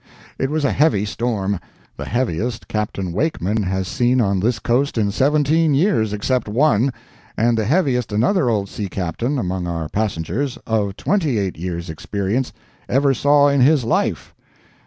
It was a heavy storm—the heaviest Captain Wakeman has seen on this coast in seventeen years, except one—and the heaviest another old sea Captain (among our passengers) of twenty eight years' experience, ever saw in his life.